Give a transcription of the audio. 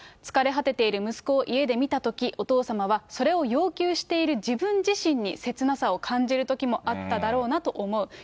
疲れ果てている息子を家で見たとき、お父様は、それを要求している自分自身に、せつなさを感じるときもあっただろうなと思う。